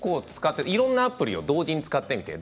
いろんなアプリを同時に使っています。